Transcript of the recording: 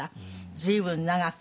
随分長く。